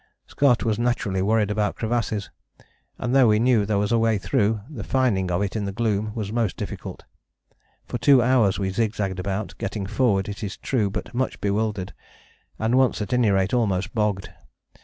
Scott was naturally worried about crevasses, and though we knew there was a way through, the finding of it in the gloom was most difficult. For two hours we zig zagged about, getting forward it is true, but much bewildered, and once at any rate almost bogged.